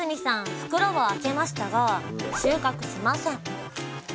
袋を開けましたが収穫しません。